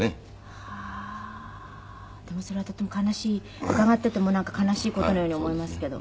でもそれはとても悲しい伺っていてもなんか悲しい事のように思いますけど。